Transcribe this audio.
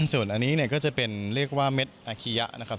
ส่วนอันนี้เนี่ยก็จะเป็นเรียกว่าเม็ดอาคิยะนะครับ